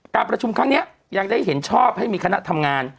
การประชุมครั้งนี้ยังได้เห็นชอบให้มีคณะทำงาน